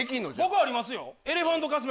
僕ありますよ。